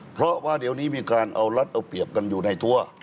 เพราะว่าเดี๋ยวนี้มีการเอารัฐเอาเปรียบกันอยู่ในทั่ว